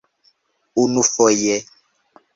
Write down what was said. unufoje